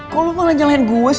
kok lo malah nyalahin gue sih